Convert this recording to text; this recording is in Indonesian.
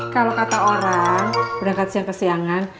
kalau kata orang berangkat siang ke siangan